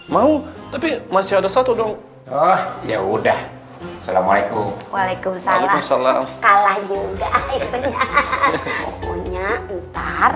mau tapi masih ada satu dong oh ya udah assalamualaikum waalaikumsalam kalah juga